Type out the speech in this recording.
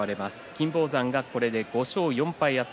金峰山、これで５勝４敗です。